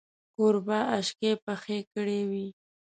کوربه اشکې پخې کړې وې.